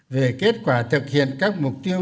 về kết quả thực hiện các mục tiêu